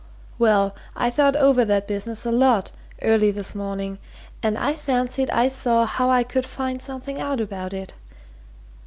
"Well, I thought over that business a lot, early this morning, and I fancied I saw how I could find something out about it.